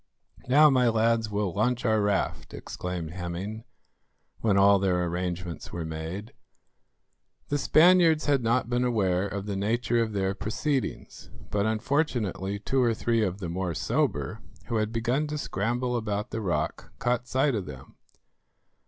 "Now, my lads, we'll launch our raft," exclaimed Hemming, when all their arrangements were made. The Spaniards had not been aware of the nature of their proceedings, but unfortunately two or three of the more sober, who had begun to scramble about the rock, caught sight of them.